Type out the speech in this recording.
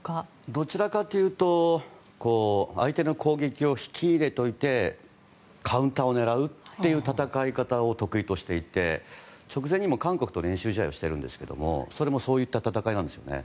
どちらかというと相手の攻撃を引き入れといてカウンターを狙うという戦い方を得意としていて直前にも、韓国と練習試合をしているんですがそれもそういった戦いなんですよね。